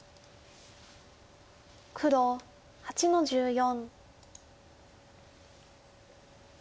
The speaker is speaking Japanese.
黒８の十四。